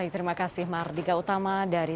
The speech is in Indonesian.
terima kasih mardika utama dari